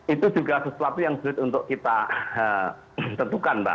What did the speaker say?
itu juga sesuatu yang sulit untuk kita tentukan mbak